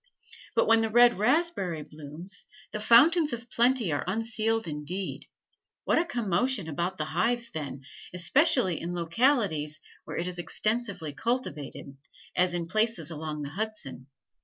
But when the red raspberry blooms, the fountains of plenty are unsealed indeed; what a commotion about the hives then, especially in localities where it is extensively cultivated, as in places along the Hudson.